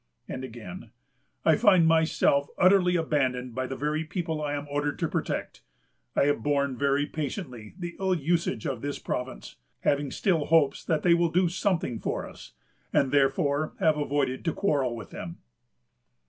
And again: "I find myself utterly abandoned by the very people I am ordered to protect.... I have borne very patiently the ill usage of this province, having still hopes that they will do something for us; and therefore have avoided to quarrel with them."